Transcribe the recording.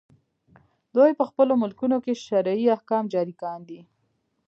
دوی په خپلو ملکونو کې شرعي احکام جاري کاندي.